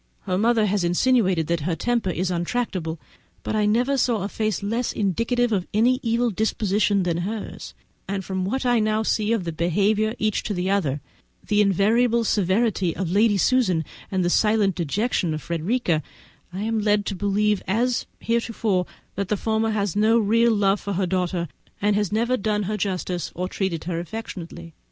Her mother has insinuated that her temper is intractable, but I never saw a face less indicative of any evil disposition than hers; and from what I can see of the behaviour of each to the other, the invariable severity of Lady Susan and the silent dejection of Frederica, I am led to believe as heretofore that the former has no real love for her daughter, and has never done her justice or treated her affectionately.